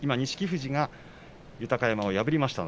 富士が豊山を破りました。